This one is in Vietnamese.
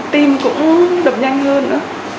tim cũng đập nhanh hơn nữa